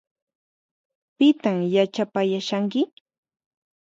Pitan yachapayashanki?